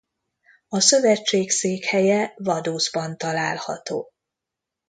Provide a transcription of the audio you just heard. A szövetség székhelye Vaduzban található.